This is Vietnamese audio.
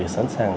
để sẵn sàng